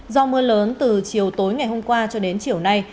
do mưa lớn từ chiều tối ngày hôm qua cho đến chiều nay